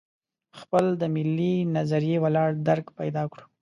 خپل د ملي نظریه ولاړ درک پیدا کړو.